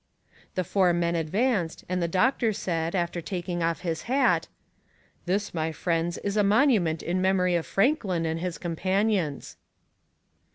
The four men advanced, and the doctor said, after taking off his hat "This, my friends, is a monument in memory of Franklin and his companions."